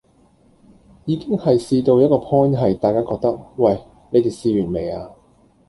已經係試到一個 point 係大家覺得喂，你地試完未啊